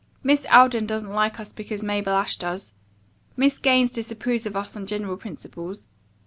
Miss Alden doesn't like us because Mabel Ashe does. Miss Gaines disapproves of us on general principles.